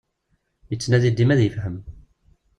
Yettnadi dima ad yefhem.